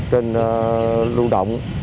trên lưu động